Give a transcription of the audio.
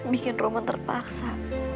bikin roman terpaksa